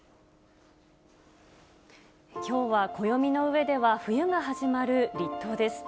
きょうは暦の上では冬が始まる立冬です。